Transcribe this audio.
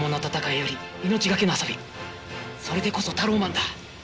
それでこそタローマンだ。